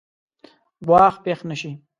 ګواښ پېښ نه شي.